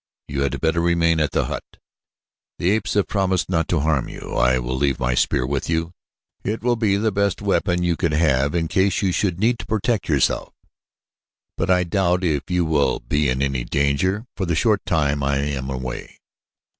You had better remain at the hut. The apes have promised not to harm you. I will leave my spear with you. It will be the best weapon you could have in case you should need to protect yourself, but I doubt if you will be in any danger for the short time that I am away."